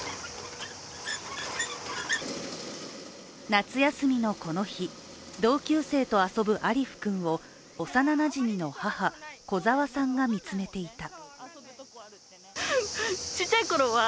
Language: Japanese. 夏休みのこの日、同級生と遊ぶアリフ君を幼なじみの母、小澤さんが見つめていた。